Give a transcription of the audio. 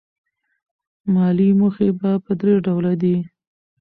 مالي موخې په درې ډوله دي.